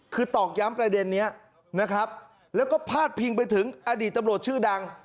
คือตอกย้ำประเด็นนี้นะครับแล้วก็พาดพิงไปถึงอดีตตำรวจชื่อดัง